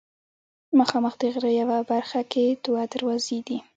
مخامخ د غره یوه برخه کې دوه دروازې دي.